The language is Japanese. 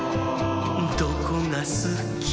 「どこがすき？」